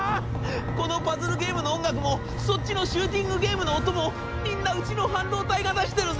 このパズルゲームの音楽もそっちのシューティングゲームの音もみんなうちの半導体が出してるんです！